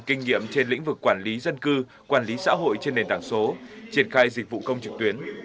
kinh nghiệm trên lĩnh vực quản lý dân cư quản lý xã hội trên nền tảng số triển khai dịch vụ công trực tuyến